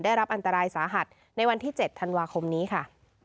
ได้รับอันตรายสาหัสในวันที่๗ธันวาคมนี้ค่ะ